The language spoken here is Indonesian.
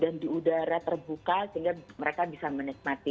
dan di udara terbuka sehingga mereka bisa menikmati